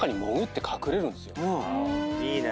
いいね。